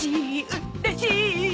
うれしい！